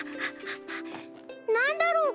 何だろう？